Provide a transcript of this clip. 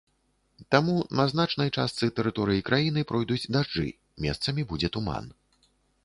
Таму на значнай частцы тэрыторыі краіны пройдуць дажджы, месцамі будзе туман.